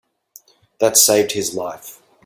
That saved his life.